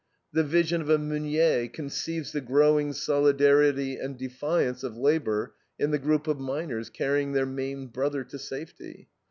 The vision of a Meunier conceives the growing solidarity and defiance of labor in the group of miners carrying their maimed brother to safety.